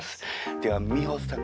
では美穂さん